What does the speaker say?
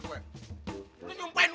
tuh dengerin anaknya